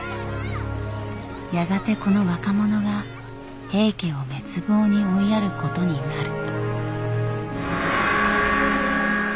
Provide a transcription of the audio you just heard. やがてこの若者が平家を滅亡に追いやることになる。